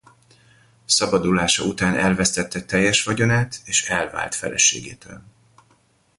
Szabadulása után elvesztette teljes vagyonát és elvált feleségétől.